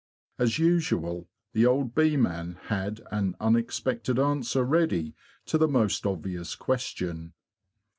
As usual, the old bee man had an unexpected answer ready to the most obvious question.